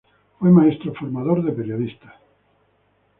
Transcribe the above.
Fue maestro formador de periodistas.